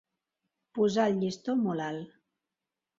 Posar el llistó molt alt.